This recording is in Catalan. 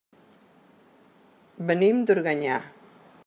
Venim d'Organyà.